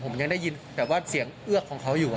ผมยังได้ยินแบบว่าเสียงเอือกของเขาอยู่